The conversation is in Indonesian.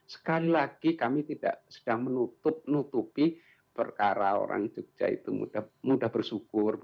sekali lagi kami tidak sedang menutup nutupi perkara orang jogja itu mudah bersyukur